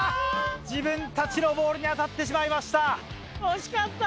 自分たちのボールに当たってしまいました。